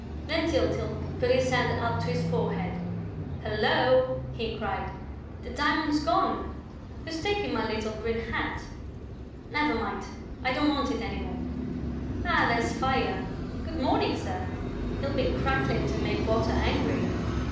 Then Tyltyl put his hand up to his forehead: "Hullo!" he cried. "The diamond's gone!... Who's taken my little green hat?... Never mind, I don't want it any more!... Ah, there's Fire! Good morning, sir! He'll be crackling to make Water angry!"